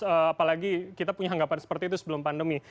apalagi kita punya anggapan seperti itu sebelum pandemi